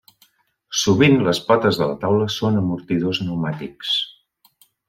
Sovint, les potes de la taula són amortidors pneumàtics.